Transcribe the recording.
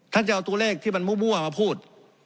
จะเอาตัวเลขที่มันมั่วมาพูด